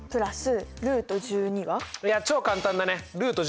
いや超簡単だね。